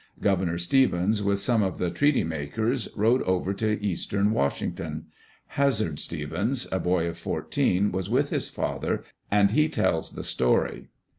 Governor Stevens, with some of the treaty makers, rode over to eastern Washington. Hazard Stevens, a boy of fourteen, was with his father, and he tells the story.